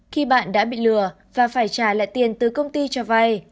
khi bạn đã bị lừa và phải trả lại tiền từ công ty cho vay